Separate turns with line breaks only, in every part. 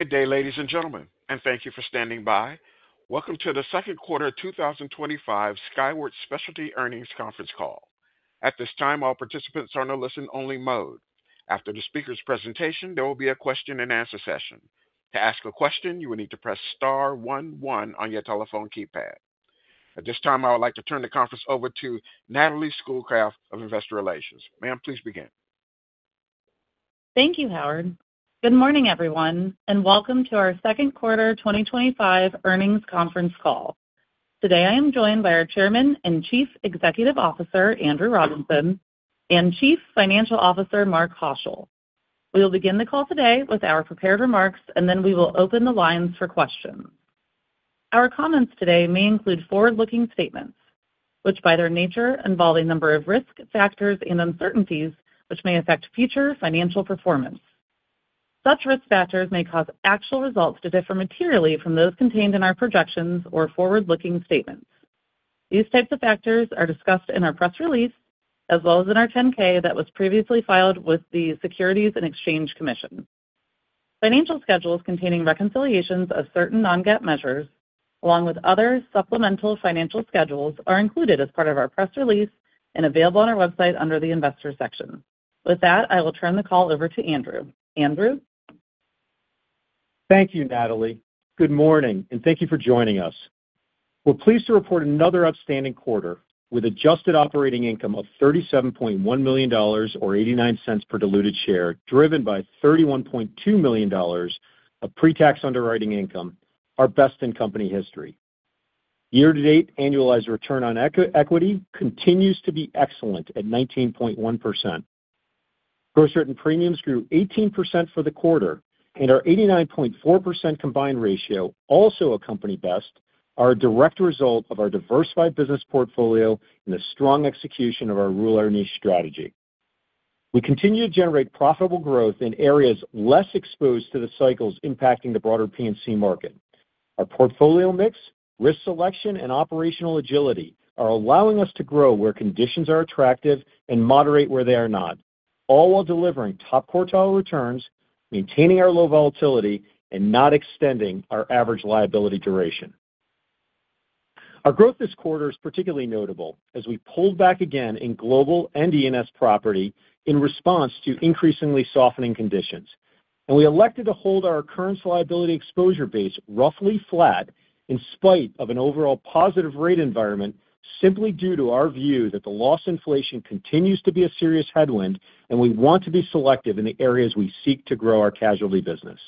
Good day, ladies and gentlemen, and thank you for standing by. Welcome to the Second Quarter 2025 Skyward Specialty Earnings Conference Call. At this time, all participants are in a listen-only mode. After the speaker's presentation, there will be a question-and-answer session. To ask a question, you will need to press star one one on your telephone keypad. At this time, I would like to turn the conference over to Natalie Schoolcraft of Investor Relations. Ma'am, please begin.
Thank you, Howard. Good morning, everyone, and welcome to our Second Quarter 2025 earnings conference call. Today I am joined by our Chairman and Chief Executive Officer, Andrew Robinson, and Chief Financial Officer, Mark Haushill. We will begin the call today with our prepared remarks, and then we will open the lines for questions. Our comments today may include forward-looking statements, which by their nature involve a number of risk factors and uncertainties which may affect future financial performance. Such risk factors may cause actual results to differ materially from those contained in our projections or forward-looking statements. These types of factors are discussed in our press release as well as in our 10-K that was previously filed with the Securities and Exchange Commission. Financial schedules containing reconciliations of certain non-GAAP measures, along with other supplemental financial schedules, are included as part of our press release and available on our website under the Investors section. With that, I will turn the call over to Andrew.
Thank you, Natalie. Good morning and thank you for joining us. We're pleased to report another outstanding quarter with adjusted operating income of $37.1 million or $0.89 per diluted share, driven by $31.2 million of pretax underwriting income, our best in company history year-to-date. Annualized return on equity continues to be excellent at 19.1%. Gross written premiums grew 18% for the quarter and our 89.4% combined ratio, also a company best, are a direct result of our diversified business portfolio and the strong execution of "Rule Our Niche" strategy. We continue to generate profitable growth in areas less exposed to the cycles impacting the broader P&C market. Our portfolio mix, risk selection and operational agility are allowing us to grow where conditions are attractive and moderate where they are not, all while delivering top-quartile returns, maintaining our low volatility and not extending our average liability duration. Our growth this quarter is particularly notable as we pulled back again in Global and E&S Property in response to increasingly softening conditions and we elected to hold our current liability exposure base roughly flat in spite of an overall positive rate environment simply due to our view that the loss inflation continues to be a serious headwind and we want to be selective in the areas we seek to grow our Casualty business.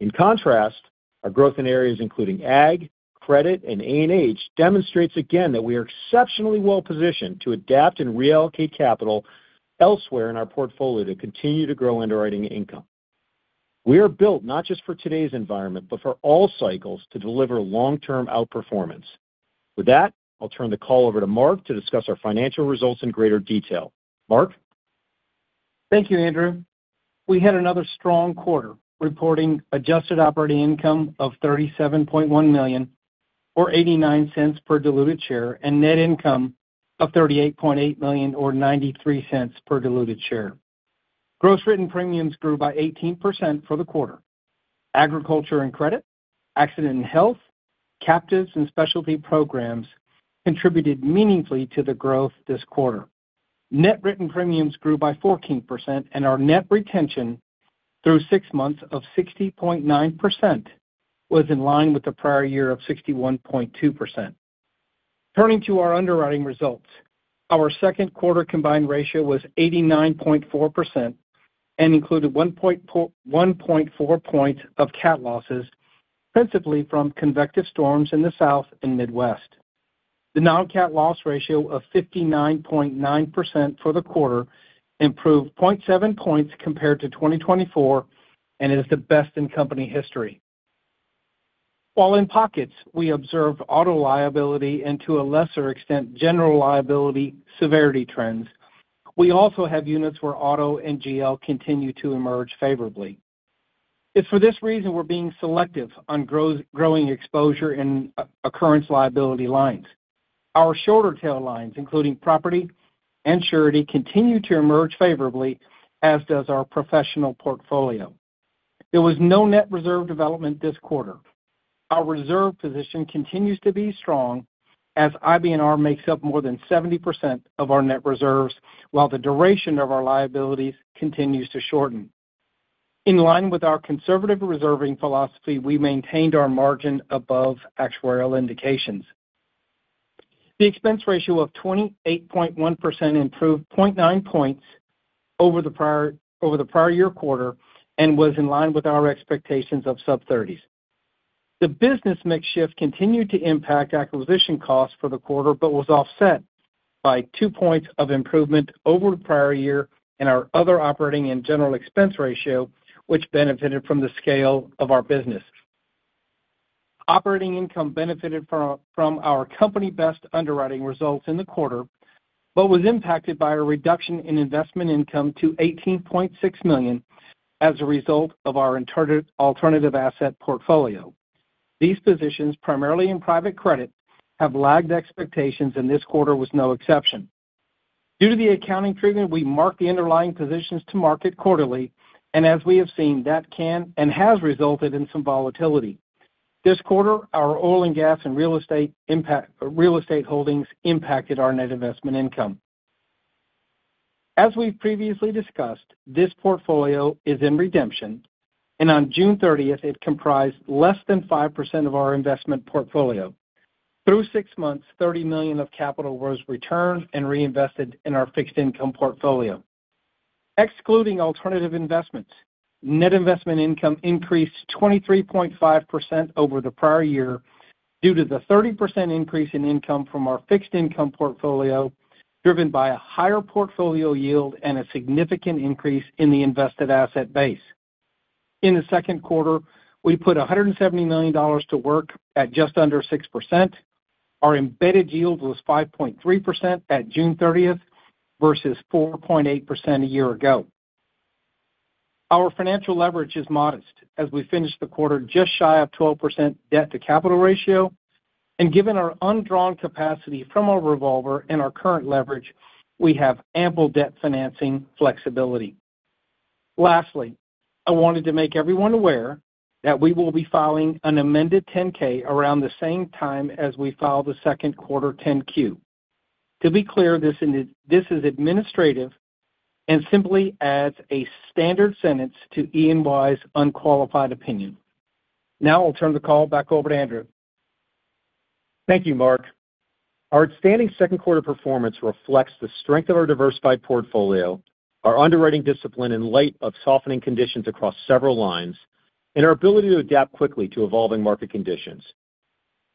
In contrast, our growth in areas including Agriculture, Credit and A&H demonstrates again that we are exceptionally well-positioned to adapt and reallocate capital elsewhere in our portfolio to continue to grow underwriting income. We are built not just for today's environment, but for all cycles to deliver long-term outperformance. With that, I'll turn the call over to Mark to discuss our financial results in greater detail. Mark.
Thank you, Andrew. We had another strong quarter reporting adjusted operating income of $37.1 million or $0.89 per diluted share and net income of $38.8 million or $0.93 per diluted share. Gross written premiums grew by 18% for the quarter. Agriculture and Credit, Accident & Health, Captives, and Specialty Programs contributed meaningfully to the growth this quarter. Net written premiums grew by 14% and our net retention through six months of 60.9% was in line with the prior year of 61.2%. Turning to our underwriting results, our second quarter combined ratio was 89.4% and included 1.4 points of CAT losses, principally from convective storms in the South and Midwest. The non-CAT loss ratio of 59.9% for the quarter improved 0.7 points compared to 2024 and is the best in company history. While in pockets we observed auto liability and to a lesser extent general liability severity trends, we also have units where auto and GL continue to emerge favorably. It's for this reason we're being selective on growing exposure in occurrence liability lines. Our shorter-tail lines, including Property and Surety, continue to emerge favorably as does our professional portfolio. There was no net reserve development this quarter. Our reserve position continues to be strong as IBNR makes up more than 70% of our net reserves, while the duration of our liabilities continues to shorten. In line with our conservative reserving philosophy, we maintained our margin above actuarial indications. The expense ratio of 28.1% improved 0.9 points over the prior-year quarter and was in line with our expectations of sub-30s. The business mix shift continued to impact acquisition costs for the quarter but was offset by two points of improvement over the prior year in our other operating and general expense ratio, which benefited from the scale of our business. Operating income benefited from our company-best underwriting results in the quarter but was impacted by a reduction in investment income to $18.6 million as a result of our alternative asset portfolio. These positions, primarily in private credit, have lagged expectations and this quarter was no exception due to the accounting treatment. We marked the underlying positions to market quarterly and as we have seen, that can and has resulted in some volatility this quarter. Our oil and gas and real estate holdings impacted our net investment income. As we previously discussed, this portfolio is in redemption and on June 30th it comprised less than 5% of our investment portfolio. Through six months, $30 million of capital was returned and reinvested in our fixed-income portfolio excluding alternative investments. Net investment income increased 23.5% over the prior year due to the 30% increase in income from our fixed-income portfolio driven by a higher portfolio yield and a significant increase in the invested asset base. In the second quarter we put $170 million to work at just under 6%. Our embedded yield was 5.3% at June 30th versus 4.8% a year ago. Our financial leverage is modest as we finished the quarter just shy of 12% debt-to-capital ratio and given our undrawn capacity from our revolver and our current leverage, we have ample debt financing flexibility. Lastly, I wanted to make everyone aware that we will be filing an amended 10-K around the same time as we file the second quarter 10-Q. To be clear, this is administrative and simply adds a standard sentence to EY's unqualified opinion. Now I'll turn the call back over to Andrew.
Thank you, Mark. Our outstanding second quarter performance reflects the strength of our diversified portfolio and our underwriting discipline in light of softening conditions across several lines and our ability to adapt quickly to evolving market conditions.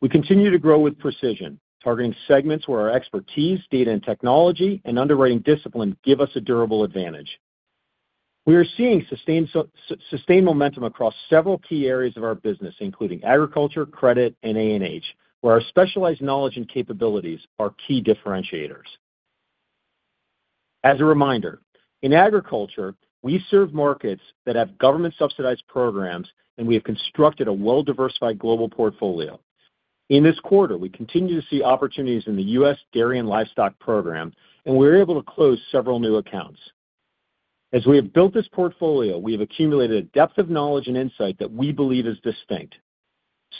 We continue to grow with precision, targeting segments where our expertise, data and technology, and underwriting discipline give us a durable advantage. We are seeing sustained momentum across several key areas of our business, including Agriculture, Credit, and A&H, where our specialized knowledge and capabilities are key differentiators. As a reminder, in Agriculture we serve markets that have government-subsidized Programs, and we have constructed a well-diversified global portfolio. In this quarter, we continue to see opportunities in the U.S. dairy and livestock program, and we were able to close several new accounts. As we have built this portfolio, we have accumulated a depth of knowledge and insight that we believe is distinct.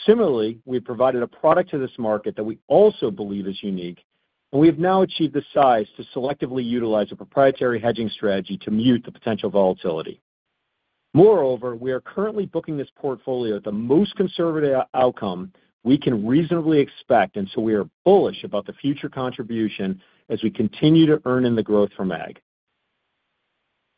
Similarly, we have provided a product to this market that we also believe is unique, and we have now achieved the size to selectively utilize a proprietary hedging strategy to mute the potential volatility. Moreover, we are currently booking this portfolio at the most conservative outcome we can reasonably expect, and we are bullish about the future contribution as we continue to earn in the growth from Ag.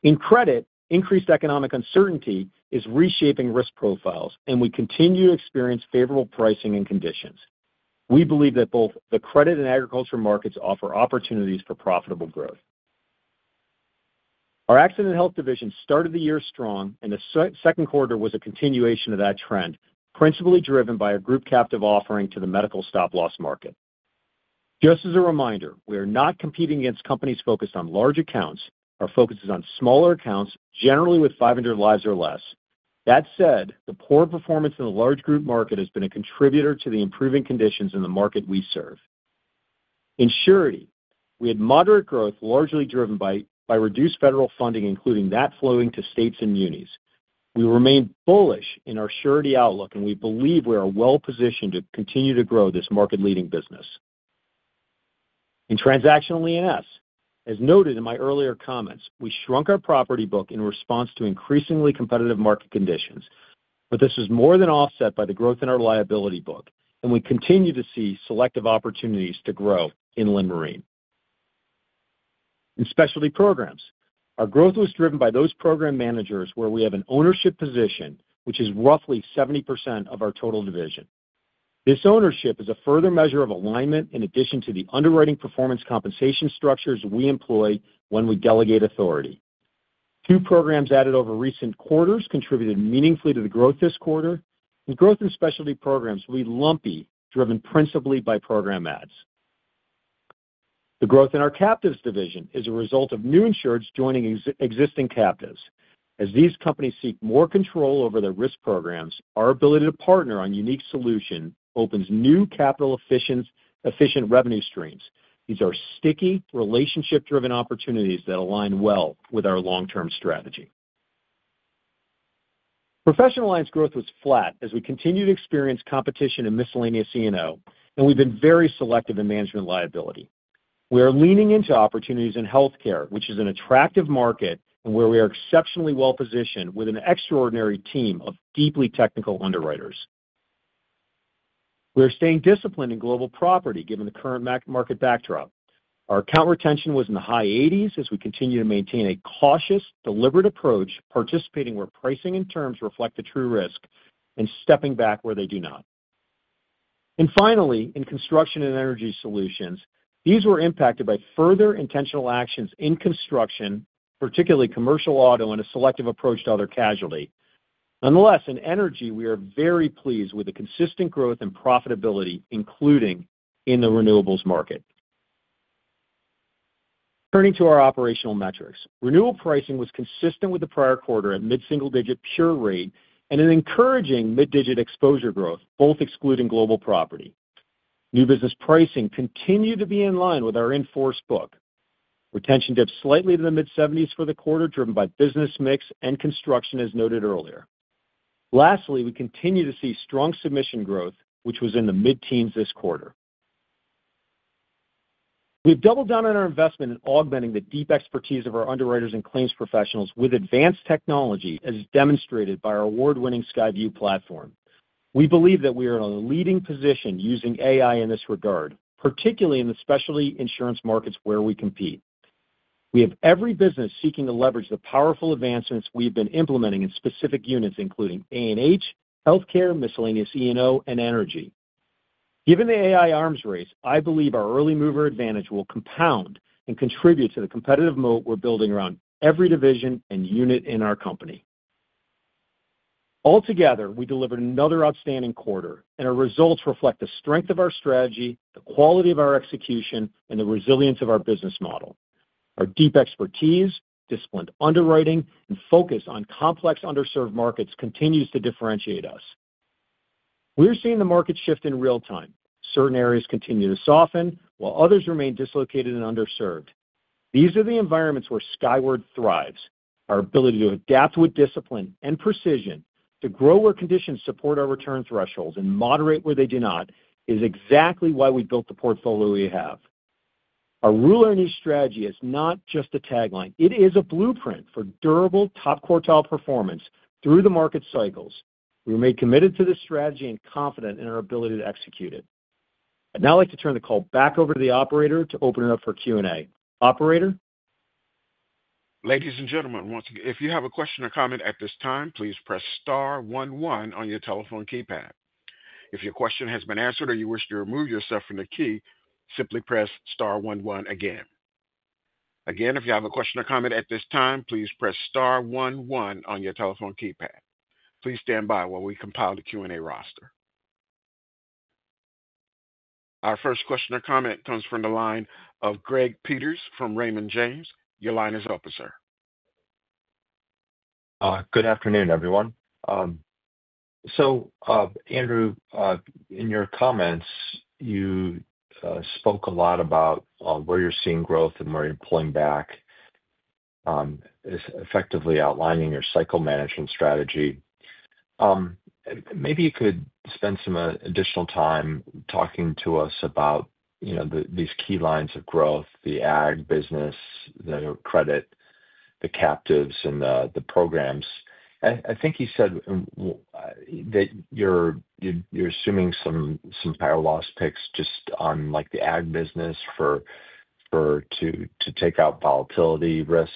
In Credit, increased economic uncertainty is reshaping risk profiles, and we continue to experience favorable pricing and conditions. We believe that both the Credit and Agriculture markets offer opportunities for profitable growth. Our Accident & Health division started the year strong, and the second quarter was a continuation of that trend, principally driven by a group Captives for Medical Stop-Loss market. Just as a reminder, we are not competing against companies focused on large accounts. Our focus is on smaller accounts, generally with 500 lives or less. That said, the poor performance in the large group market has been a contributor to the improving conditions in the market we serve. In Surety, we had moderate growth, largely driven by reduced federal funding, including that flowing to states and unis. We remain bullish in our Surety outlook, and we believe we are well positioned to continue to grow this market-leading business. In transactional E&S, as noted in my earlier comments, we shrunk our Property book in response to increasingly competitive market conditions, but this was more than offset by the growth in our Liability book, and we continue to see selective opportunities to grow in Inland Marine. In specialty programs. Our growth was driven by those program managers where we have an ownership position, which is roughly 70% of our total division. This ownership is a further measure of alignment in addition to the underwriting performance compensation structures we employ when we delegate authority. Two programs added over recent quarters contributed meaningfully to the growth this quarter. Growth in Specialty Programs will be lumpy, driven principally by program adds. The growth in our Captives division is a result of new insureds joining existing Captives as these companies seek more control over their risk programs. Our ability to partner on unique solutions opens new capital-efficient revenue streams. These are sticky, relationship-driven opportunities that align well with our long-term strategy. Professional Mines growth was flat as we continue to experience competition in Miscellaneous E&O, and we've been very selective in Management Liability. We are leaning into opportunities in Healthcare, which is an attractive market and where we are exceptionally well-positioned. With an extraordinary team of deeply technical underwriters, we are staying disciplined in Global Property, given the current market backdrop. Our account retention was in the high 80s as we continue to maintain a cautious, deliberate approach, participating where pricing and terms reflect the true risk and stepping back where they do not. Finally, in Construction and Energy Solutions, these were impacted by further intentional actions in construction, particularly commercial auto, and a selective approach to other Casualty. Nonetheless, in Energy we are very pleased with the consistent growth and profitability, including in the Renewables market. Turning to our operational metrics, renewal pricing was consistent with the prior quarter at mid-single-digit pure rate and an encouraging mid-digit exposure growth, both excluding Global Property. New business pricing continued to be in line with our in-force book. Retention dipped slightly to the mid-70s for the quarter, driven by business mix and construction as noted earlier. Lastly, we continue to see strong submission growth, which was in the mid teens. This quarter we've doubled down on our investment in augmenting the deep expertise of our underwriters and claims professionals with advanced technology, as demonstrated by our award-winning Skyview platform. We believe that we are in a leading position using AI in this regard, particularly in the specialty insurance markets where we compete. We have every business seeking to leverage the powerful advancements we have been implementing in specific units, including A&H, Healthcare, Miscellaneous E&O, and Energy. Given the AI arms race, I believe our early-mover advantage will compound and contribute to the competitive moat we're building around every division and unit in our company. Altogether, we delivered another outstanding quarter, and our results reflect the strength of our strategy, the quality of our execution, and the resilience of our business model. Our deep expertise, disciplined underwriting, and focus on complex underserved markets continues to differentiate us. We are seeing the market shift in real-time. Certain areas continue to soften while others remain dislocated and underserved. These are the environments where Skyward Specialty Insurance Group thrives. Our ability to adapt with discipline and precision to grow where conditions support our return thresholds and moderate where they do not is exactly why we built the portfolio we have. "Our Rule Our Niche" strategy is not just a tagline, it is a blueprint for durable top-quartile performance through the market cycles. We remain committed to this strategy and confident in our ability to execute it. I'd now like to turn the call back over to the operator to open it up for Q&A.
Ladies and gentlemen, if you have a question or comment at this time, please press star one one on your telephone keypad. If your question has been answered or you wish to remove yourself from the queue, simply press star one one again. If you have a question or comment at this time, please press star one one on your telephone keypad. Please stand by while we compile the Q&A roster. Our first question or comment comes from the line of Greg Peters from Raymond James. Your line is open, sir.
Good afternoon, everyone. Andrew, in your comments you spoke a lot about where you're seeing growth and where you're pulling back. Effectively outlining your cycle management strategy. Maybe you could spend some additional time talking to us about these key lines of growth, the Ag business, the Credit, the Captives, and the Programs. I think you said that you're assuming some higher loss picks just on the Ag business to take out volatility risk.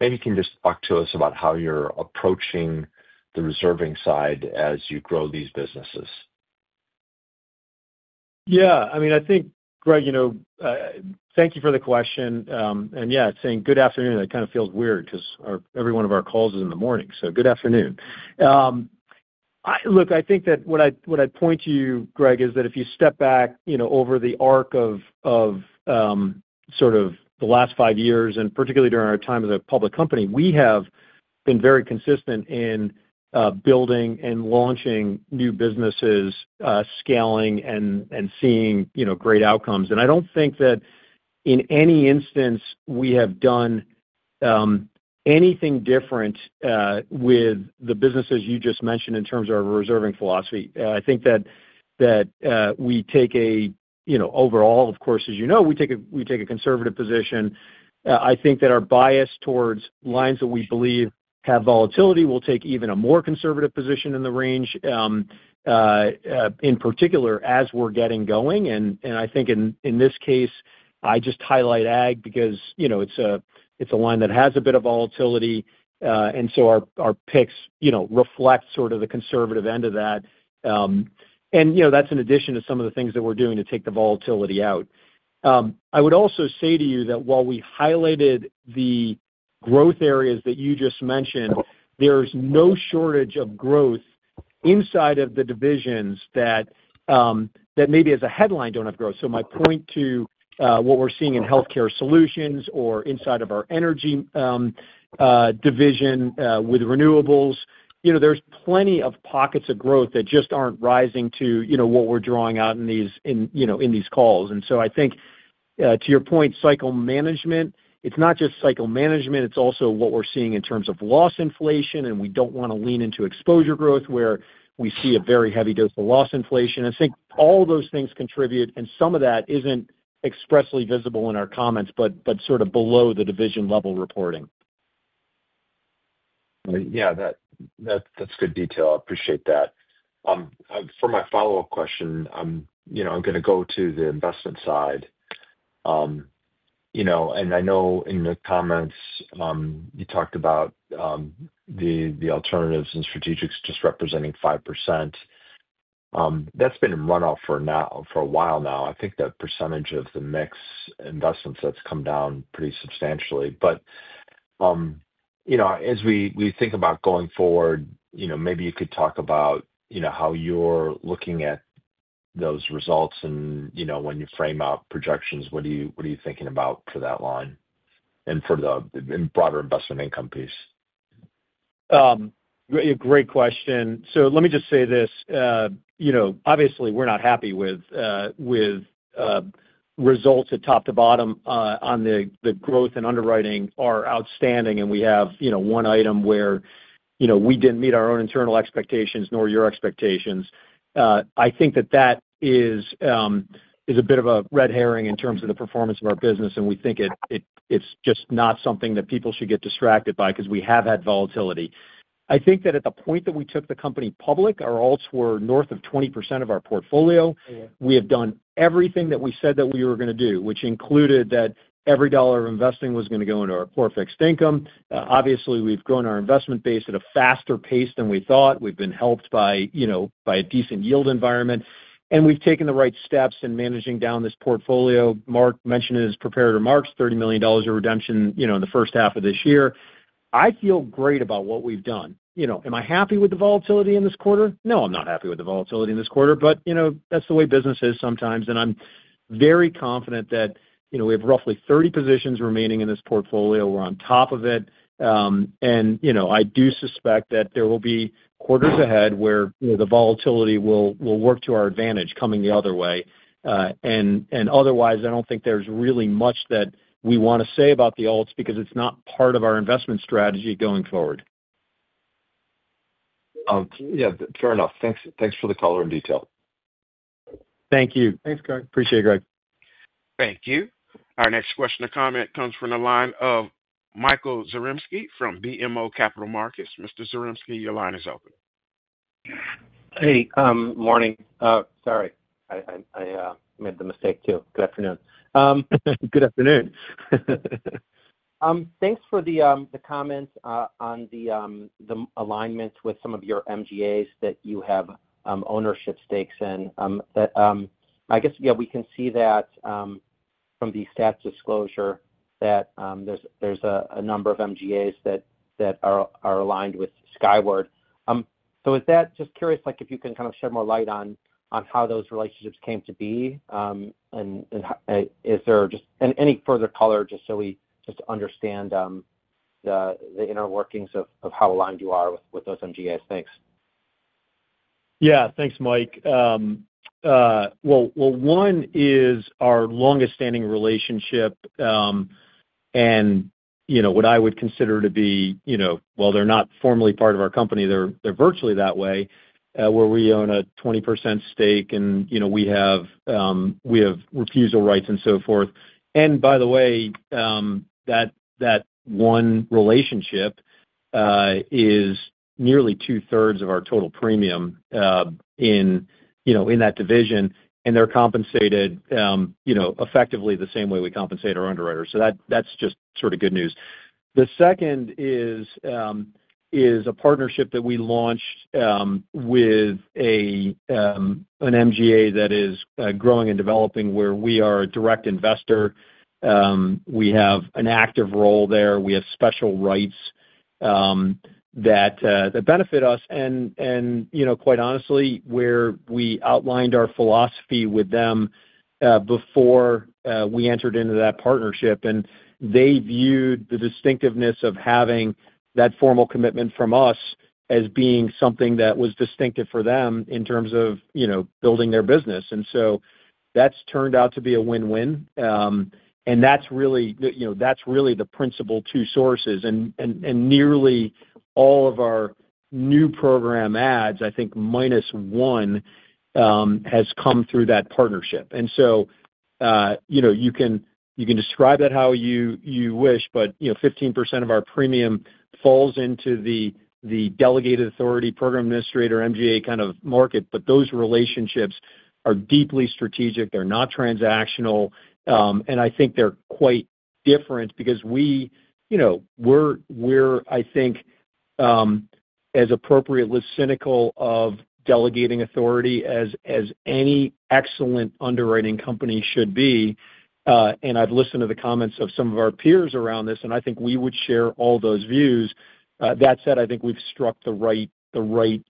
Maybe you can just talk to us about how you're approaching the reserving side as you grow these businesses.
Yeah, I mean, I think, Greg, thank you for the question. Saying good afternoon, that kind of feels weird because every one of our calls is in the morning. Good afternoon. I think that what I point to you, Greg, is that if you step back over the arc of sort of The last five years and particularly during our time as a public company, we have been very consistent in building and launching new businesses, scaling and seeing great outcomes. I don't think that in any instance we have done anything different with the businesses you just mentioned in terms of reserving philosophy. I think that we take a, you know, overall, of course, as you know, we take a conservative position. I think that our bias towards lines that we believe have volatility will take even a more conservative position in the range in particular as we're getting going. In this case I just highlight Ag because, you know, it's a line that has a bit of volatility. Our picks reflect sort of the conservative end of that. That's in addition to some of the things that we're doing to take the volatility out. I would also say to you that while we highlighted the growth areas that you just mentioned, there's no shortage of growth inside of the divisions that maybe as a headline, don't have growth. My point to what we're seeing in Healthcare Solutions or inside of our Energy division with Renewables, there's plenty of pockets of growth that just aren't rising to what we're drawing out in these calls. I think to your point, cycle management, it's not just cycle management, it's also what we're seeing in terms of loss inflation and we don't want to lean into exposure growth where we see a very heavy dose of loss inflation. I think all those things contribute and some of that isn't expressly visible in our comments, but sort of below the division-level reporting.
Yeah, that's good detail. I appreciate that. For my follow up question, I'm going to go to the investment side. And I know in the comments you talked about the alternatives and strategics just representing 5% that's been in run-off for a while now. I think that percentage of the mix investment sets come down pretty substantially. But as we think about going forward, maybe you could talk about how you're looking at those results and when you frame out projections, what are you thinking about for that line and for the broader investment income piece?
Great question. Let me just say this. Obviously we're not happy with results from top to bottom. The growth and underwriting are outstanding, and we have one item where we didn't meet our own internal expectations, nor your expectations. I think that is a bit of a red herring in terms of the performance of our business. We think it's just not something that people should get distracted by because we have had volatility. I think that at the point that we took the company public, our alts were north of 20% of our portfolio. We have done everything that we said that we were going to do, which included that every dollar of investing was going to go into our core fixed-income. Obviously, we've grown our investment base at a faster pace than we thought. We've been helped by a decent yield environment, and we've taken the right steps in managing down this portfolio. Mark mentioned in his prepared remarks, $30 million of redemption in the first half of this year. I feel great about what we've done. Am I happy with the volatility in this quarter? No, I'm not happy with the volatility in this quarter, but that's the way business is sometimes. I'm very confident that we have roughly 30 positions remaining in this portfolio. We're on top of it, and I do suspect that there will be quarters ahead where the volatility will work to our advantage, coming the other way and otherwise. I don't think there's really much that we want to say about the alts because it's not part of our investment strategy going forward.
Yeah, fair enough. Thanks for the color and detail.
Thank you.
Thanks, Greg.
Appreciate it, Greg.
Thank you. Our next question or comment comes from the line of Michael Zaremski from BMO Capital Markets. Mr. Zaremski, your line is open.
Hey. Morning. Sorry, I made the mistake, too. Good afternoon.
Good afternoon.
Thanks for the comments on the alignment with some of your MGAs that you have ownership stakes in. I guess, yeah, we can see that from the STAT disclosure that there's a number of MGAs that are aligned with Skyward. With that, just curious, like if you can shed more light on how those relationships came to be? Is there any further color just so we understand the inner workings of how aligned you are with those MGAs? Thanks.
Yeah, thanks, Mike. One is our longest-standing relationship and what I would consider to be, while they're not formally part of our company, they're virtually that way where we own a 20% stake and we have refusal rights and so forth. By the way, that one relationship is nearly two-thirds of our total premium in that division. They're compensated effectively the same way we compensate our underwriters, so that's just sort of good news. The second is a partnership that we launched with an MGA that is growing and developing where we are a direct investor, we have an active role there. We have special rights that benefit us, and quite honestly, where we outlined our philosophy with them before we entered into that partnership and they viewed the distinctiveness of having that formal commitment from us as being something that was distinctive for them in terms of building their business, that's turned out to be a win-win. That's really the principal two sources and nearly all of our new program adds, I think minus one, has come through that partnership. You can describe that how you wish. 15% of our premium falls into the delegated authority, program administrator MGA kind of market, but those relationships are deeply strategic. They're not transactional, and I think they're quite different because we, you know, we're, I think, as appropriately cynical of delegating authority as any excellent underwriting company should be. I've listened to the comments of some of our peers around this and I think we would share all those views. That said, I think we've struck the right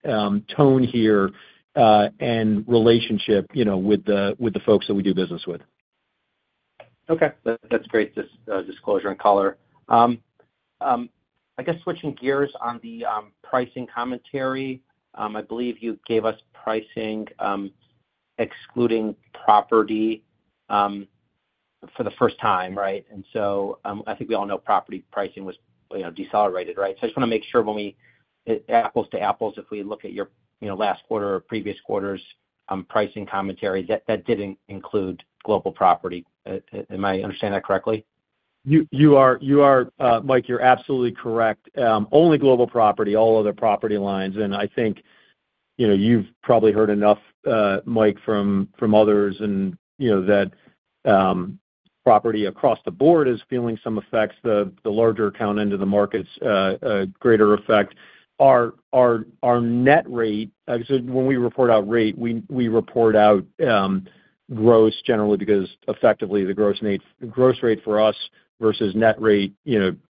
tone here and relationship with the folks that we do business with.
Okay, that's great disclosure and color, I guess. Switching gears on the pricing commentary, I believe you gave us pricing excluding Property for the first time. Right. I think we all know Property pricing was. I just want to make sure when we apples to apples, if we look at your last quarter or previous quarters pricing commentary that didn't include Global Property, am I understanding that correctly?
You are, Mike. You're absolutely correct. Only Global Property, all other Property lines. I think you've probably heard enough, Mike, from others that Property across the board is feeling some effects. The larger account end of the market's greater effect. Our net rate when we report out rate, we report out gross generally because effectively the gross rate for U.S. versus net rate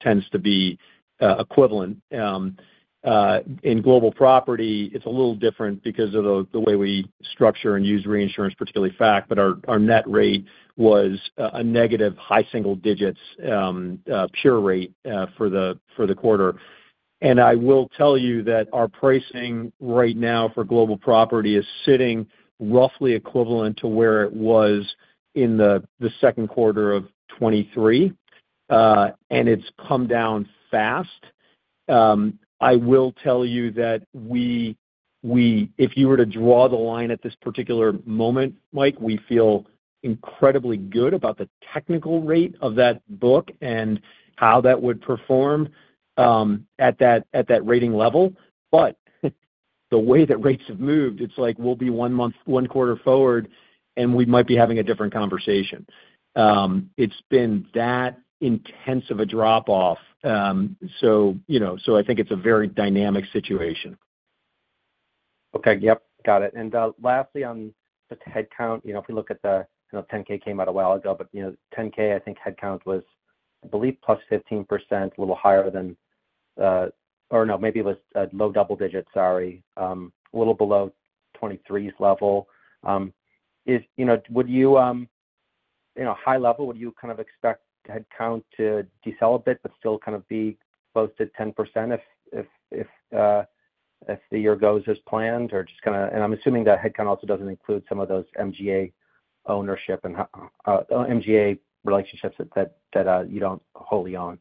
tends to be equivalent in Global Property. It's a little different because of the way we structure and use reinsurance, particularly FAC. Our net rate was a negative high single-digits pure rate for the quarter. I will tell you that our pricing right now for Global Property is sitting roughly equivalent to where it was in the second quarter of 2023, and it's come down fast. I will tell you that if you were to draw the line at this particular moment, Mike, we feel incredibly good about the technical rate of that book and how that would perform at that rating level. The way that rates have moved, it's like we'll be one quarter forward and we might be having a different conversation. It's been that intense of a drop-off. I think it's a very dynamic situation.
Okay, yep, got it. Lastly, on just headcount, if we look at the 10-K that came out a while ago, 10-K headcount was, I believe, plus 15% or maybe it was low-double digits, sorry, a little below 2023's level. Would you, high-level, kind of expect headcount to decelerate a bit but still be close to 10%? If the year goes as planned or just kind of, I'm assuming that headcount also doesn't include some of those MGA ownership and MGA relationships that you don't wholly own.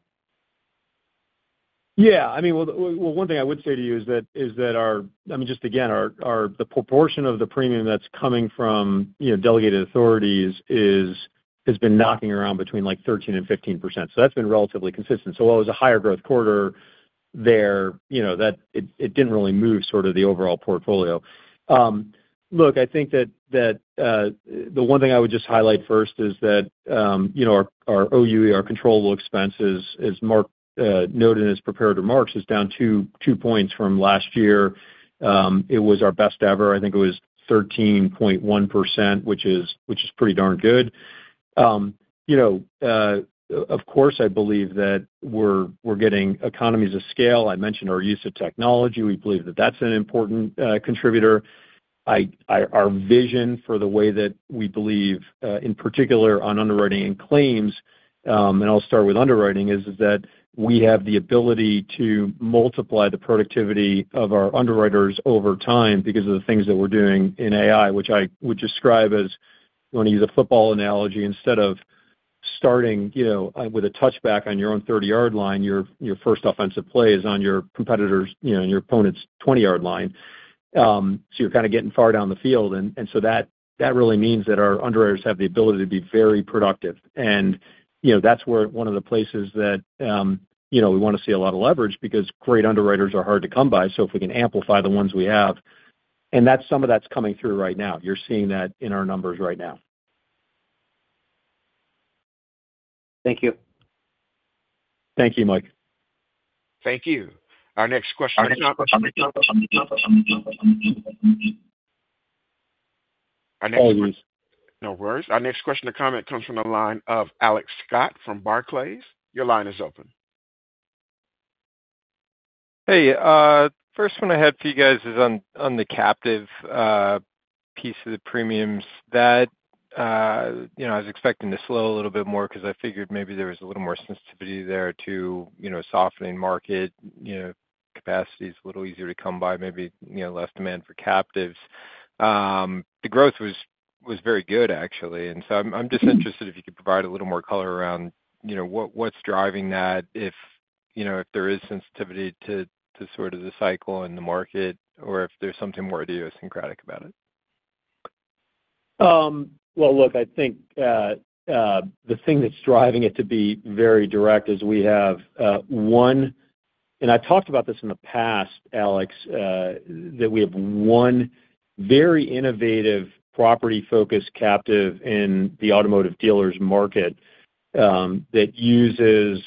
Yeah, I mean, one thing I would say to you is that our, I mean just again, the proportion of the premium that's coming from delegated authorities has been knocking around between 13% and 15%. That's been relatively consistent. While it was a higher growth quarter there, it didn't really move the overall portfolio. I think that the one thing I would just highlight first is that our controllable expenses, as Mark noted in his prepared remarks, is down to two points from last year. It was our best ever. I think it was 13.1%, which is pretty darn good. Of course, I believe that we're getting economies of scale. I mentioned our use of technology. We believe that that's an important contributor. Our vision for the way that we believe, in particular on underwriting and claims, and I'll start with underwriting, is that we have the ability to multiply the productivity of our underwriters over time because of the things that we're doing in AI, which I would describe as, when I use a football analogy, instead of starting with a touchback on your own 30-yard line, your first offensive play is on your opponent's 20-yard line. You're kind of getting far down the field. That really means that our underwriters have the ability to be very productive. That's one of the places that we want to see a lot of leverage because great underwriters are hard to come by. If we can amplify the ones we have, and that's some of what's coming through right now. You're seeing that in our numbers right now.
Thank you.
Thank you, Mike.
Thank you.
Our next question or comment comes from the line of Alex Scott from Barclays. Your line is open.
Hey, first one I had for you. Guys, on the captive piece of the premiums, I was expecting to slow a little bit more because I figured maybe there was a little more sensitivity there to softening market capacity. It is a little easier to come by, maybe less demand for captives. The growth was very good, actually. I'm just interested if you could provide a little more color around what's driving that, if there is sensitivity to the cycle in the market or if there is something more idiosyncratic about it?
I think the thing that's driving it to be very direct is we have one, and I talked about this in the past, Alex, that we have one very innovative Property-focused Captive in the Automotive Dealers market that uses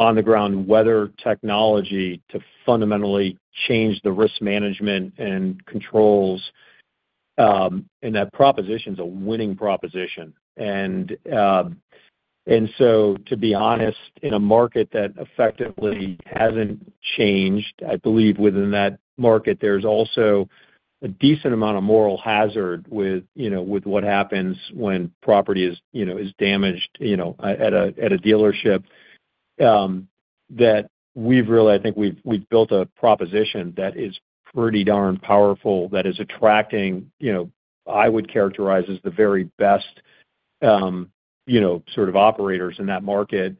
on-the-ground weather technology to fundamentally change the risk management and controls. That proposition is a winning proposition. To be honest, in a market that effectively hasn't changed, I believe within that market there's also a decent amount of moral hazard with what happens when Property is damaged at a dealership. I think we've built a proposition that is pretty darn powerful, that is attracting, you know, I would characterize as the very best, you know, sort of operators in that market.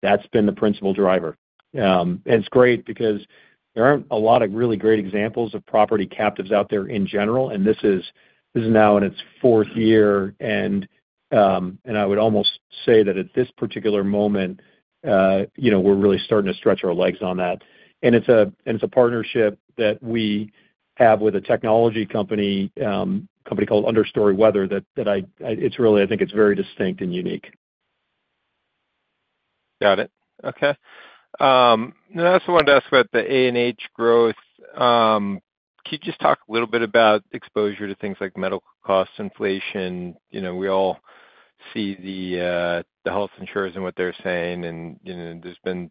That's been the principal driver. It's great because there aren't a lot of really great examples of Property Captives out there in general. This is now in its fourth year, and I would almost say that at this particular moment we're really starting to stretch our legs on that. It's a partnership that we have with a technology company, company called Understory Weather, that it's really, I think it's very distinct and unique.
Got it. Okay. I also wanted to ask about the A&H growth. Could you just talk a little bit about exposure to things like medical cost inflation? We all see the health insurers and what they're saying. There's been a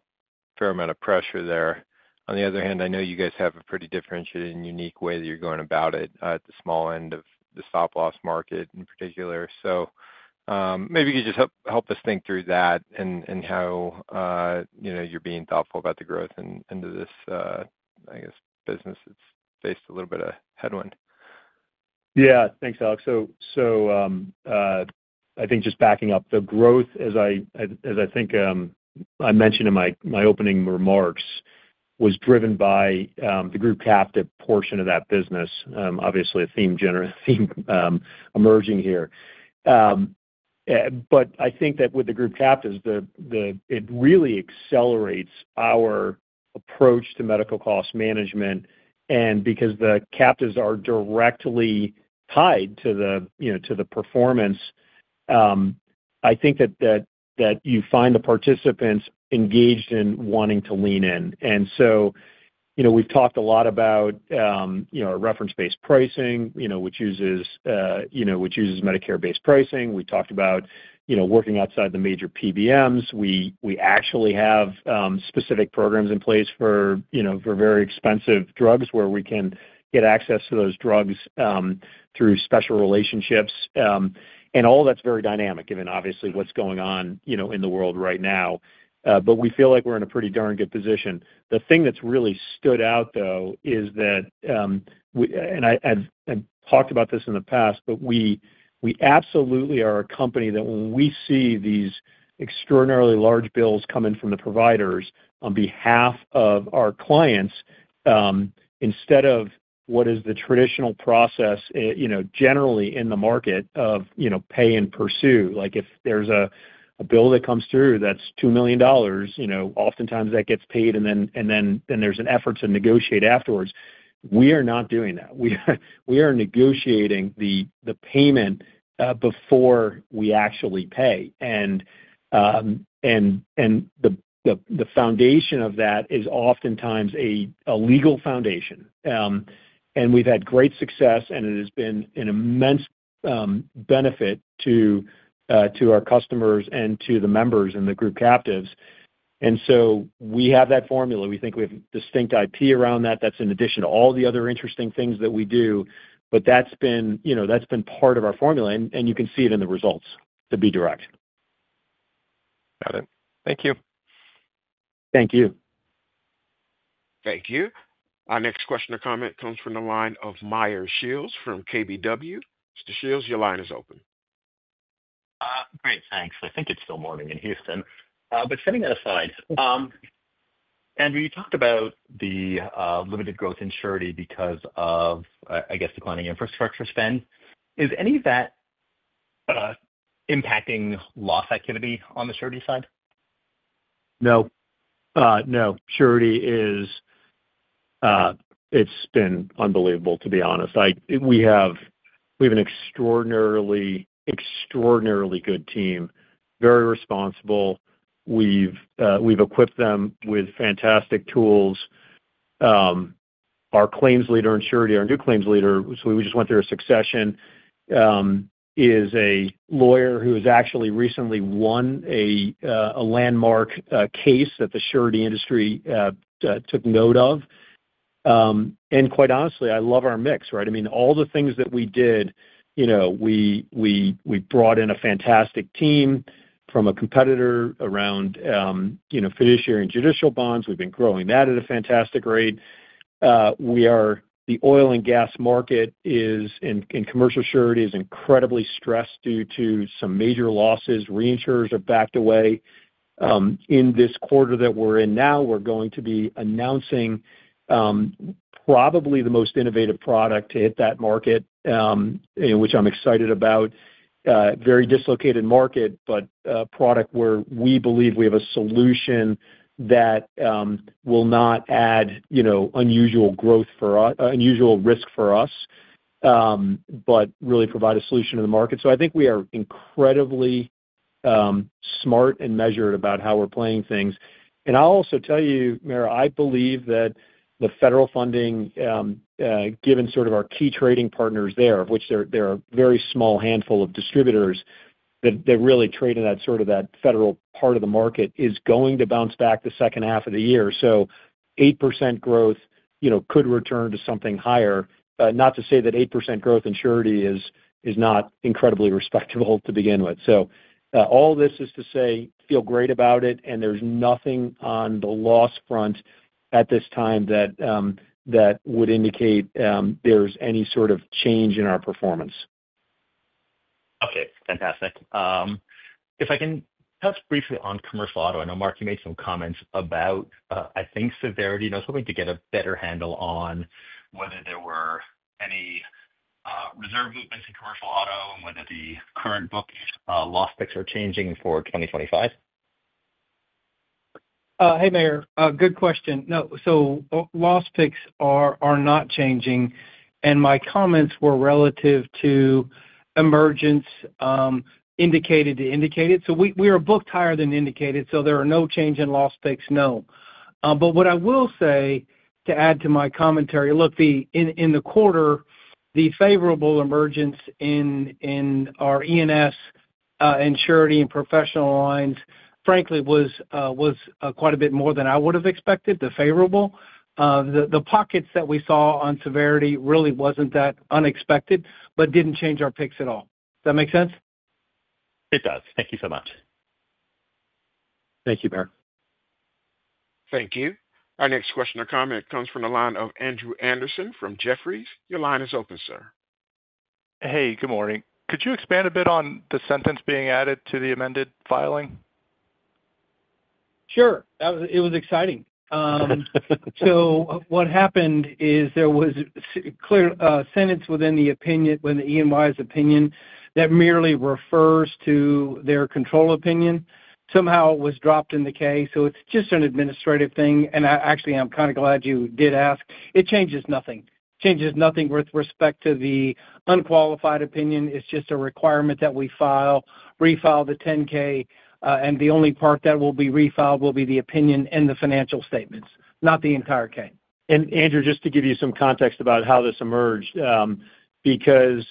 fair amount of pressure there. On the other hand, I know you guys have a pretty differentiated and unique way that you're going about it at the small end of the Stop-Loss market in particular. Maybe you could just help us think through that and how you're being thoughtful about the growth into this, I guess, business. It's faced a little bit of headwind.
Yeah, thanks, Alex. I think just backing up, the growth, as I mentioned in my opening remarks, was driven by the Group Captive portion of that business. Obviously, a theme, generous theme emerging here. I think that with the Group Captives, it really accelerates our approach to medical cost management. Because the captives are directly tied to the performance, I think that you find the participants engaged in wanting to lean in. We've talked a lot about Reference-Based Pricing, which uses Medicare-Based Pricing. We talked about working outside the major PBMs. We actually have specific programs in place for very expensive drugs where we can get access to those drugs through special relationships and all. That's very dynamic given obviously what's going on in the world right now. We feel like we're in a pretty darn good position. The thing that's really stood out though is that, and talked about this in the past, we absolutely are a company that when we see these extraordinarily large bills coming from the providers on behalf of our clients, instead of what is the traditional process generally in the market of pay-and-pursue, like if there's a bill that comes through that's $2 million, oftentimes that gets paid and then there's an effort to negotiate afterwards. We are not doing that. We are negotiating the payment before we actually pay. The foundation of that is oftentimes a legal foundation. We've had great success and it has been an immense benefit to our customers and to the members in the Group Captives. We have that formula. We think we have distinct IP around that. That's in addition to all the other interesting things that we do. That's been part of our formula and you can see it in the results to be direct.
Got it. Thank you.
Thank you.
Thank you. Our next question or comment comes from the line of Meyer Shields from KBW. Mr. Shields, your line is open.
Great, thanks. I think it's still morning in Houston. Setting that aside, Andrew, you talked about the limited growth in Surety because of I guess declining infrastructure spending. Is any of that impacting loss activity on the Surety side?
No, no, Surety is. It's been unbelievable to be honest. We have an extraordinarily, extraordinarily good team, very responsible. We've equipped them with fantastic tools. Our Claims Leader in Surety, our new Claims Leader, we just went through a succession, is a lawyer who has actually recently won a landmark case that the Surety industry took note of. Quite honestly, I love our mix. I mean all the things that we did, we brought in a fantastic team from a competitor around Fiduciary and Judicial bonds. We've been growing that at a fantastic rate. We are, the Oil and Gas market and Commercial Surety is incredibly stressed due to some major losses, reinsurers are have backed away in this quarter that we're in now. We're going to be announcing probably the most innovative product to hit that market, which I'm excited about. Very dislocated market, but product where we believe we have a solution that will not add unusual risk for us but really provide a solution to the market. I think we are incredibly smart and measured about how we're playing things. I'll also tell you, Meyer, I believe that the federal funding given sort of our key trading partners there, which there are very small handful of distributors that really trade in that sort of that federal part of the market, is going to bounce back the second half of the year. 8% growth could return to something higher. Not to say that 8% growth in Surety is not incredibly respectable to begin with. All this is to say feel great about it and there's nothing on the loss front at this time that would indicate there's any sort of change in our performance.
Okay, fantastic. If I can touch briefly on commercial auto. I know Mark, you made some comments about I think severity and I was hoping to get a better handle on whether there were any reserve movements in Commercial Auto and whether the current book loss picks are changing for 2025.
Hey, Meyer, good question. No. Loss picks are not changing, and my comments were relative to emergence indicated-to-indicated. We are booked higher than indicated, so there are no changes in loss picks. No. What I will say to add to my commentary, look, in the quarter, the favorable emergence in our E&S, in Surety and Professional Lines, frankly, was quite a bit more than I would have expected. The favorable pockets that we saw on severity really wasn't that unexpected but didn't change our picks at all. Does that make sense?
It does. Thank you so much.
Thank you, Meyer.
Thank You. Our next question or comment comes from the line of Andrew Andersen from Jefferies. Your line is open, sir.
Hey, good morning. Could you expand a bit on the sentence being added to the amended filing?
Sure. It was exciting. What happened is there was a clear sentence within the opinion, within the EY's opinion, that merely refers to their control opinion. Somehow it was dropped in the case. It's just an administrative thing. Actually, I'm kind of glad you did ask. It changes nothing. Changes nothing with respect to the unqualified opinion. It's just a requirement that we refile the 10-K. The only part that will be refiled will be the opinion and the financial statements, not the entire K.
Andrew, just to give you some context about how this emerged because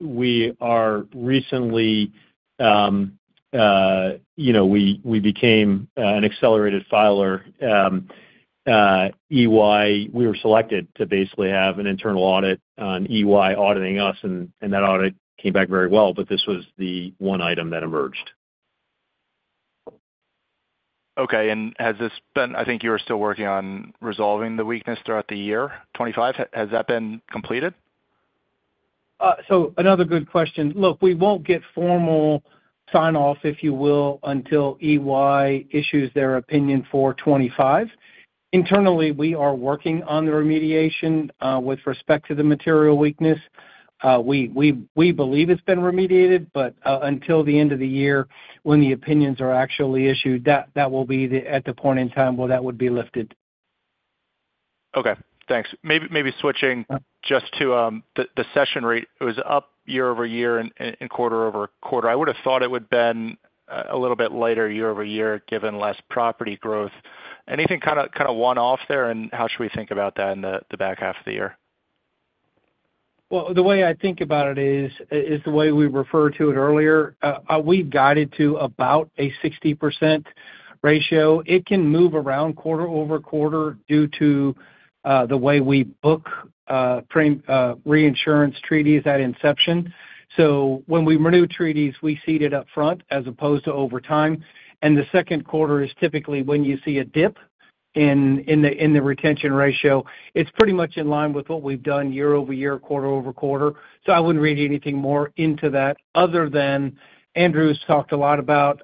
we are recently, you know, we became an accelerated filer EY. We were selected to basically have an internal audit on EY auditing us. That audit came back very well. This was the one item that emerged.
Has this been, I think you are still working on resolving the weakness throughout the year 2025. Has that been completed?
Another good question. Look, we won't get formal sign-off, if you will, until EY issues their opinion for 2025. Internally we are working on the remediation with respect to the material weakness. We believe it's been remediated, but until the end of the year when the opinions are actually issued, that will be the point in time where that would be lifted.
Okay, thanks. Maybe switching just to the session rate. It was up year-over-year and quarter-over-quarter. I would have thought it would have been a little bit lighter year over year, given less Property growth. Is there anything kind of one-off there, and how should we think about that in the back half of the year?
The way I think about it is the way we referred to it earlier, we've guided to about a 60% ratio. It can move around quarter-over-quarter due to the way we book reinsurance treaties at inception. When we renew treaties, we cede it up front as opposed to over time. The second quarter is typically when you see a dip in the retention ratio. It's pretty much in line with what we've done year-over-year, quarter-over-quarter. I wouldn't read anything more into that other than Andrew has talked a lot about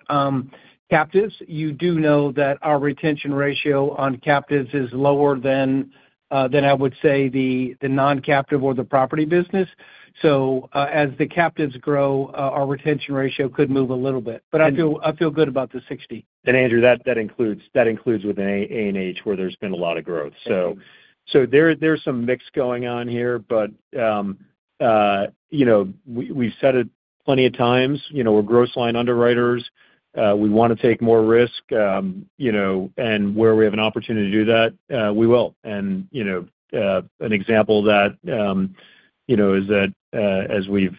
Captives. You do know that our retention ratio on Captives is lower than, I would say, the non-Captive or the Property business. As the Captives grow, our retention ratio could move a little bit. I feel good about the 60.
Andrew, that includes with A&H where there's been a lot of growth. There is some mix going on here. We've said it plenty of times, we're gross-line underwriters. We want to take more risk, and where we have an opportunity to do that, we will. An example of that is that as we've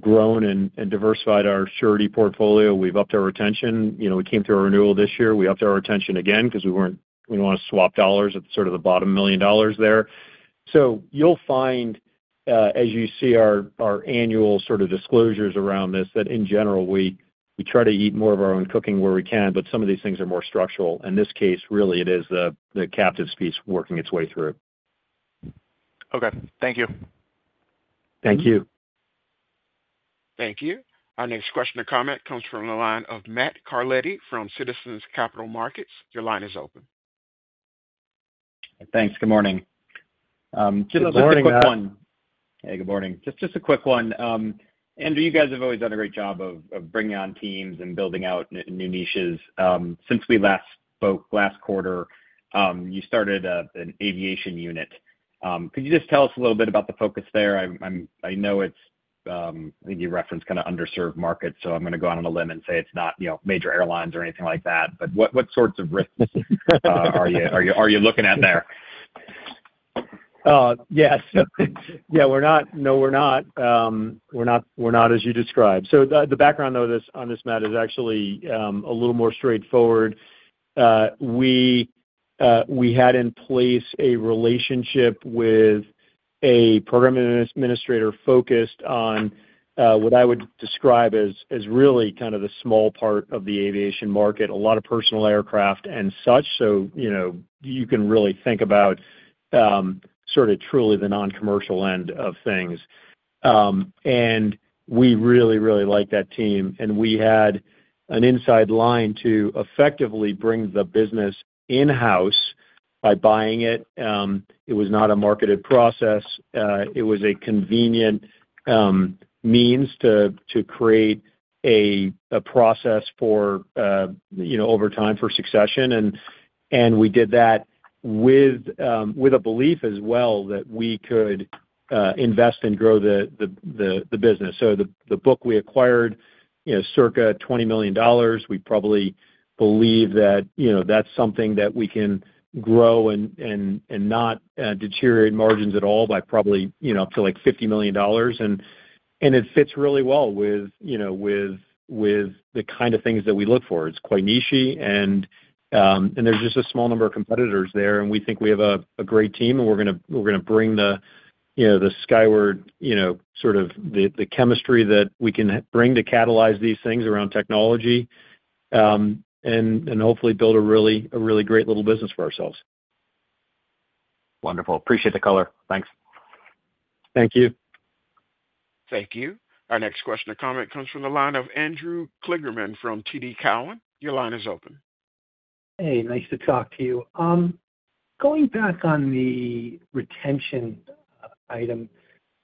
grown and diversified our Surety portfolio, we've upped our retention. We came through a renewal this year, we upped our retention. We don't want to swap dollars at the bottom million dollars there. You'll find as you see our annual disclosures around this that, in general, we try to eat more of our own cooking where we can. Some of these things are more structural. In this case, it is the Captives piece working its way through.
Okay, thank you.
Thank you.
Thank you. Our next question or comment comes from the line of Matt Carletti from Citizens Capital Markets. Your line is open.
Thanks. Good morning. Just a quick one. Andrew, you guys have always done a great job of bringing on teams and building out new niches. Since we last spoke last quarter, you started an Aviation unit. Could you just tell us a little bit about the focus there? I know it's, you referenced kind of. Underserved markets, I'm going to go. Out on a limb and say it's not major airlines or anything like that, but what sorts of risks are you looking at there?
Yes. Yeah, we're not. No, we're not. We're not as you described. The background on this, Matt, is actually a little more straightforward. We had in place a relationship with a program administrator focused on what I would describe as really kind of the small part of the Aviation market, a lot of personal aircraft and such. You can really think about sort of truly the non-commercial end of things. We really, really like that team. We had an inside line to effectively bring the business in-house by buying. It was not a marketed process. It was a convenient means to create a process over time for succession. We did that with a belief as well that we could invest and grow the business. The book we acquired, circa $20 million, we probably believe that that's something that we can grow and not deteriorate margins at all by probably up to like $50 million. It fits really well with the kind of things that we look for. It's quite niche and there's just a small number of competitors there. We think we have a great team and we're going to bring the Skyward sort of the chemistry that we can bring to catalyze these things around technology and hopefully build a really great little business for ourselves.
Wonderful. Appreciate the color.
Thank you.
Thank you. Our next question or comment comes from the line of Andrew Kligerman from TD Cowen. Your line is open.
Hey, nice to talk to you. Going back on the retention item,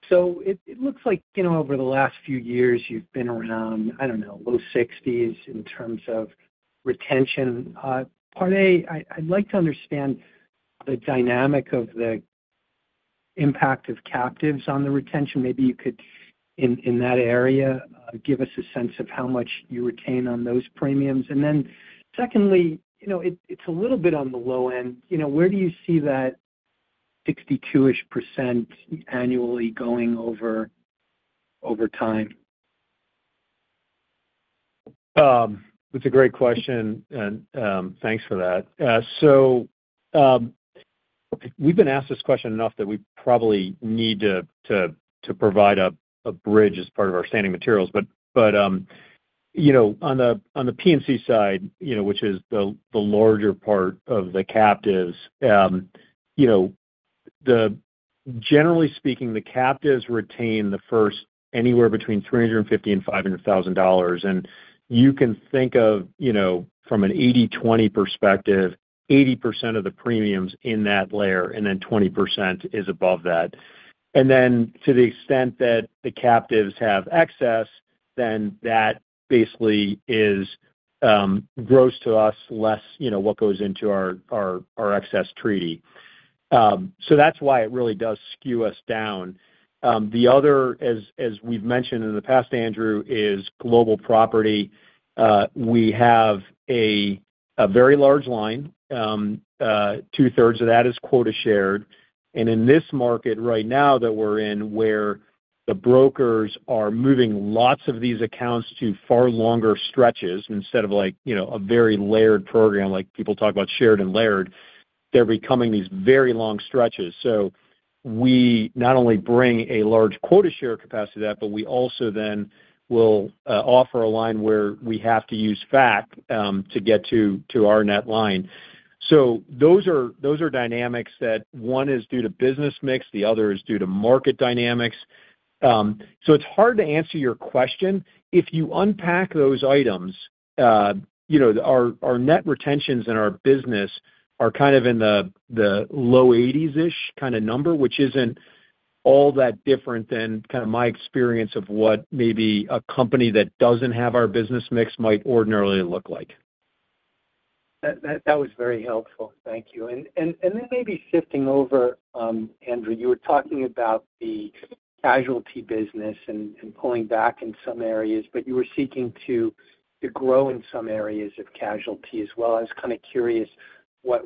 it looks like, you know, over the last few years you've been around, I don't know, low 60s in terms of retention. Part A, I'd like to understand the dynamic of the impact of Captives on the retention. Maybe you could give in that area gives us a sense of how much you retain on those premiums. Secondly, it's a little bit on the low end. Where do you see that 62% annually going over time?
That's a great question. Thanks for that. So. We've been asked this question enough that we probably need to provide a bridge as part of our standing materials. On the P&C side, which is the larger part of the Captives, generally speaking, the Captives retain the first anywhere between $350,000 and $500,000. You can think of, from an 80/20 perspective, 80% of the premiums in that layer and then 20% is above that. To the extent that the Captives have excess, then that basically is gross to us less what goes into our excess treaty. That's why it really does skew us down. The other, as we've mentioned in the past, Andrew, is Global Property. We have a very large line. Two-thirds of that is quota-shared. In this market right now that we're in, where the brokers are moving lots of these accounts to far longer stretches, instead of a very layered program, like people talk about shared-and-layered, they're becoming these very long stretches. We not only bring a large quota-share capacity to that, but we also then will offer a line where we have to use FAC to get to our net line. Those are dynamics that one is due to business mix, the other is due to market dynamics. It's hard to answer your question if you unpack those items. Our net retentions in our business are kind of in the low-80s-ish kind of number, which isn't all that different than my experience of what maybe a company that doesn't have our business mix might ordinarily look like.
That was very helpful. Thank you, and then maybe shifting over. Andrew, you were talking about the Casualty Business and pulling back in some areas. You were seeking to grow in. Some areas of Casualty as well. I was kind of curious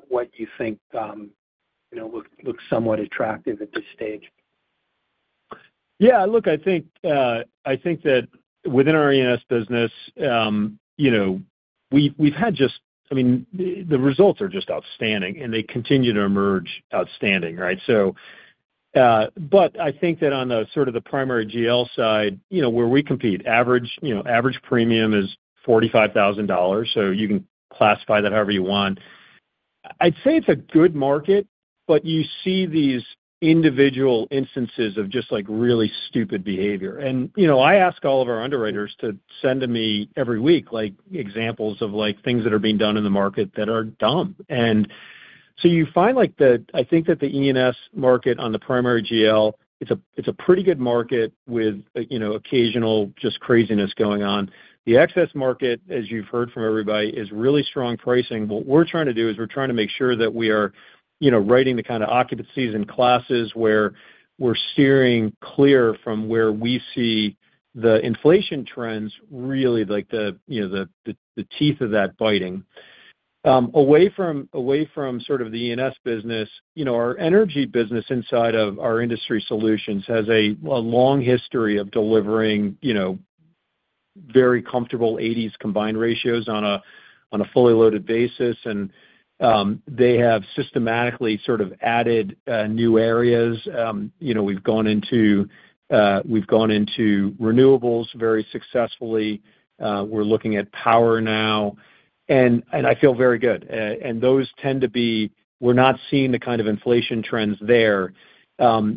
what you think look somewhat attractive at this stage.
Yeah, I think that within our E&S business, we've had just, I mean the results are just outstanding and they continue to emerge outstanding. Right. So. I think that on the sort of the Primary GL side, where we compete, average premium is $45,000. You can classify that however you want. I'd say it's a good market. You see these individual instances of just like really stupid behavior. I ask all of our underwriters to send to me every week examples of things that are being done in the market that are dumb. You find that. I think that the E&S market on the Primary GL, it's a pretty good market with occasional just craziness going on. The Excess market, as you've heard from everybody, is really strong pricing. What we're trying to do is make sure that we are writing the kind of occupancies and classes where we're steering clear from where we see the inflation trends. Really like the teeth of that biting away from the E&S business. Our Energy business inside of our Industry Solutions has a long history of delivering very comfortable 80s combined ratios on a fully loaded basis. They have systematically added new areas. We've gone into Renewables very successfully. We're looking at Power now and I feel very good. Those tend to be. We're not seeing the kind of inflation trends there. What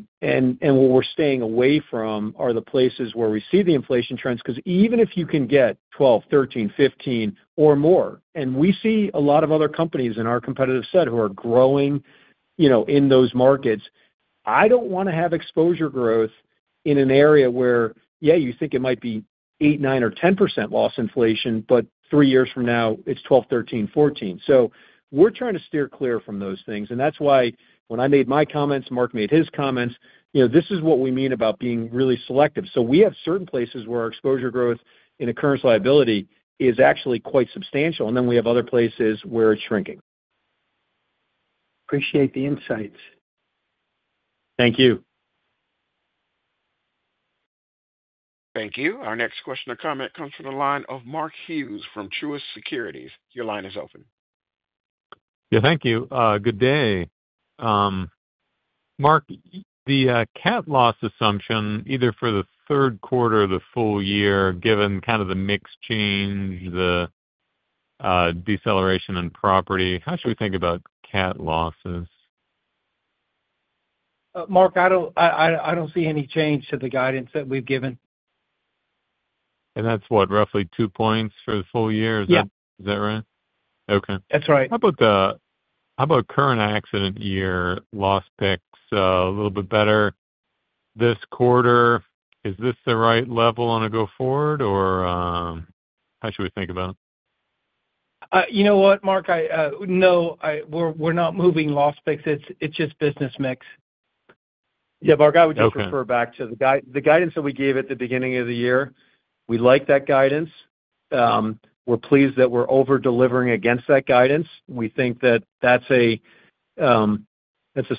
we're staying away from are the places where we see the inflation trends. Even if you can get 12%, 13%, 15% or more, and we see a lot of other companies in our competitive set who are growing in those markets. I don't want to have exposure growth in an area where, yeah, you think it might be 8%, 9% or 10% loss inflation, but three years from now it's 12%, 13%, 14%. We're trying to steer clear from those things. That's why when I made my comments, Mark made his comments, this is what we mean about being really selective. We have certain places where our exposure growth in a current liability is actually quite substantial and then we have other places where it's shrinking.
Appreciate the insights.
Thank you.
Thank you. Our next question or comment comes from the line of Mark Hughes from Truist Securities. Your line is open.
Thank you. Good day. Mark, the CAT loss assumption, either for the third quarter or the full year, given the mix change and the deceleration in Property, how should we think about CAT losses?
Mark, I don't see any change to the guidance that we've given.
That's what, roughly two points for the full year. Is that right? Okay,
that's right.
How about current accident year loss pick a little bit better this quarter? Is this the right level on a go-forward, or how should we think about it?
You know what, Mark. No, we're not moving loss picks. It's just business mix.
Mark, I would just refer back to the guidance that we gave at the beginning of the year. We like that guidance. We're pleased that we're over-delivering against that guidance. We think that that's a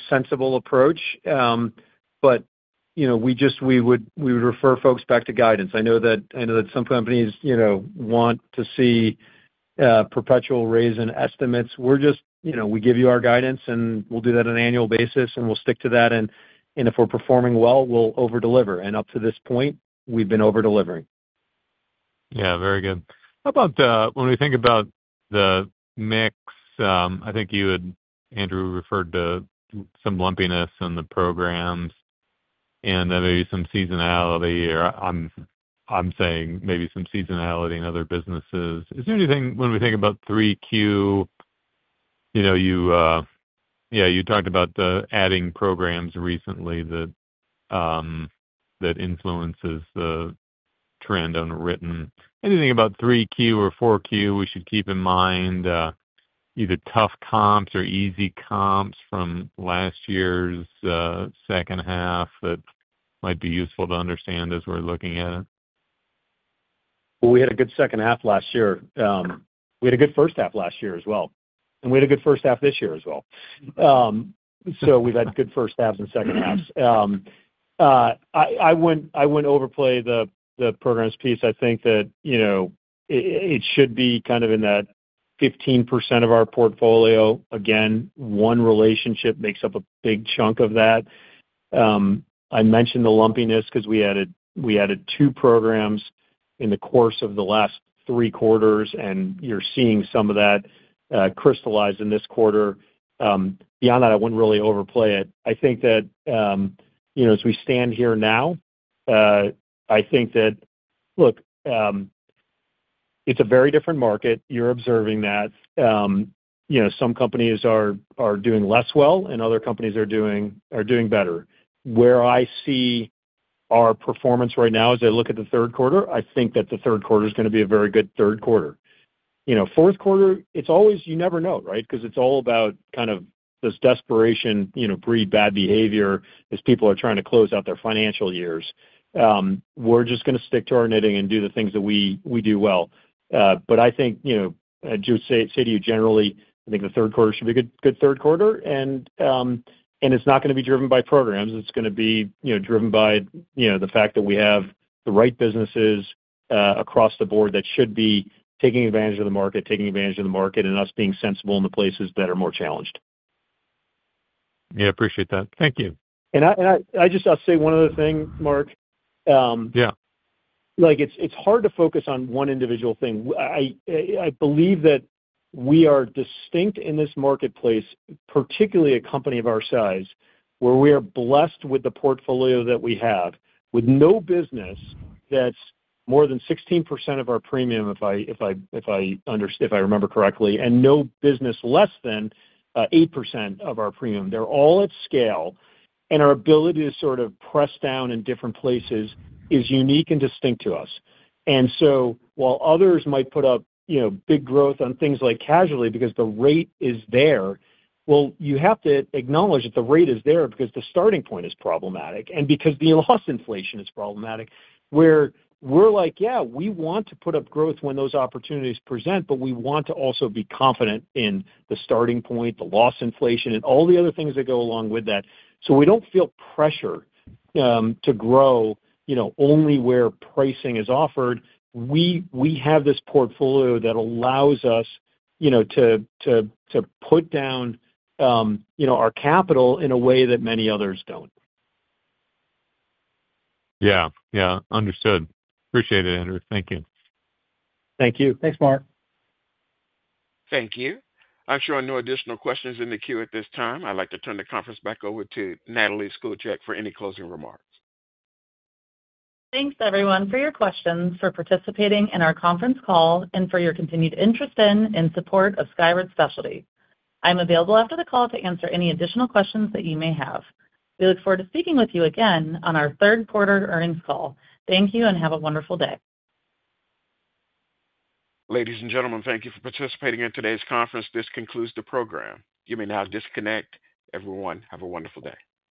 sensible approach. We would refer folks back to guidance. I know that some companies want to see perpetual raise in estimates. We're just, you know, we give you our guidance and we'll do that on an annual basis and we'll stick to that. If we're performing well, we'll over deliver. Up to this point we've been over-delivering.
Yeah, very good. How about when we think about the mix? I think you had, Andrew, referred to some lumpiness in the programs and maybe some seasonality. I'm saying maybe some seasonality in other businesses. Is there anything when we think about 3Q? You talked about adding programs recently that influences the trend on written, anything about 3Q or 4Q we should keep in mind, either tough comps or easy comps from last year's second half. That might be useful to understand as we're looking at it.
We had a good second half last year. We had a good first half last year as well, and we had a good first half this year as well. We've had good first halves and second halves. I wouldn't overplay the programs piece. I think that it should be kind of in that 15% of our portfolio. Again, one relationship makes up a big chunk of that. I mention the lumpiness because we added two Programs in the course of the last three quarters, and you're seeing some of that crystallize in this quarter. Beyond that, I wouldn't really overplay it. I think that as we stand here now, I think that, look, it's a very different market. You're observing that some companies are doing less well and other companies are doing better. Where I see our performance right now, as I look at the third quarter, I think that the third quarter is going to be a very good third quarter. Fourth quarter, it's always, you never know, right, because it's all about kind of this desperation, you know, breeds bad behavior as people are trying to close out their financial years. We're just going to stick to our knitting and do the things that we do well. I think, you know, I just say to you, generally, I think the third quarter should be a good third quarter. It's not going to be driven by Programs. It's going to be driven by the fact that we have the right businesses across the board that should be taking advantage of the market, taking advantage of the market and us being sensible in the places that are more challenged.
Yeah, appreciate that. Thank you.
I just say one other thing, Mark.
Yeah.
It's hard to focus on one individual thing. I believe that we are distinct in this marketplace, particularly a company of our size, where we are blessed with the portfolio that we have with no business that's more than 16% of our premium, if I remember correctly, and no business less than 8% of our premium. They're all at scale. Our ability to sort of press down in different places is unique and distinct to us. While others might put up big growth on things like Casualty because the rate is there, you have to acknowledge that the rate is there because the starting point is problematic and because the loss inflation is problematic. We're like, yeah, we want to put up growth when those opportunities present, but we want to also be confident in the starting point, the loss inflation, and all the other things that go along with that. We don't feel pressure to grow only where pricing is offered. We have this portfolio that allows us to put down our capital in a way that many others don't.
Yeah, understood. Appreciate it, Andrew. Thank you.
Thank you.
Thanks, Mark.
Thank you. I'm sure. No additional questions in the queue at this time. I'd like to turn the conference back over to Natalie Schoolcraft for any closing remarks.
Thanks, everyone, for your questions, for participating in our conference call, and for your continued interest in and support of Skyward Specialty. I am available after the call to answer any additional questions that you may have. We look forward to speaking with you again on our third quarter earnings call. Thank you and have a wonderful day.
Ladies and gentlemen, thank you for participating in today's conference. This concludes the program. You may now disconnect. Everyone, have a wonderful day.